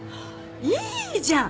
いいじゃん！